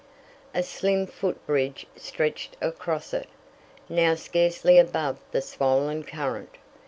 A slim foot bridge stretched across it, now scarcely above the swollen current.